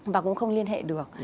và cũng không liên hệ được